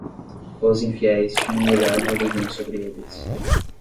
Os infiéis tinham um olhar maligno sobre eles.